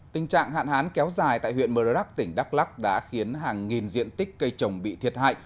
tình trạng hạn hán kéo dài tại huyện mờ rắc tỉnh đắk lắc đã khiến hàng nghìn diện tích cây trồng bị thiệt hại